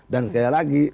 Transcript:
dan sekali lagi